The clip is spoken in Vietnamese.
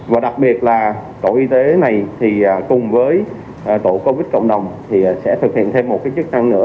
và đặc biệt là tổ y tế này cùng với tổ covid cộng đồng sẽ thực hiện thêm một chức năng nữa